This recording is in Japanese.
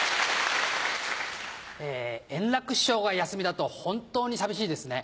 円楽師匠が休みだと本当に寂しいですね。